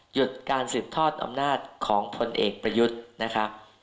หยุดการสืบทอดอำนาจของพลเอกประยุทธ์นะครับ